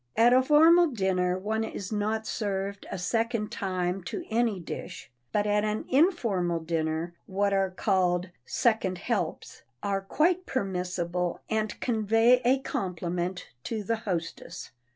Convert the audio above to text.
At a formal dinner one is not served a second time to any dish, but at an informal dinner, what are called "second helps," are quite permissible and convey a compliment to the hostess.